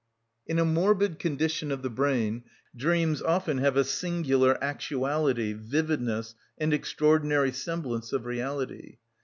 In a morbid condition of the brain, dreams often have a singular actuality, vividness, and extraordinary semblance of reality.